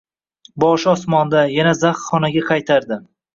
boshi osmonda, yana zax xonaga qaytardi.